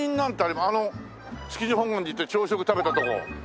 あの築地本願寺って朝食食べたとこ。